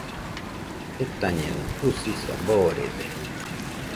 Jetañeno, usisa boorede.